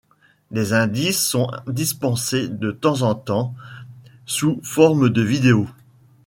Des indices sont dispensés de temps en temps sous formes de vidéos.